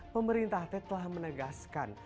pemerintah tet telah menegaskan